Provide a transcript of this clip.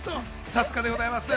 さすがです。